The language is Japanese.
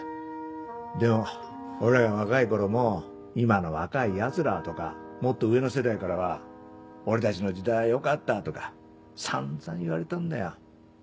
でも俺らが若い頃も「今の若いヤツらは」とかもっと上の世代からは「俺たちの時代はよかった」とか散々言われたんだよ。